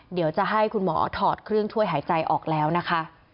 เดี๋ยวจะให้คุณหมอถอดเครื่องช่วยหายใจออกแล้วนะคะ